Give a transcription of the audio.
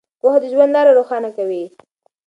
پوهه د ژوند لاره روښانه کوي.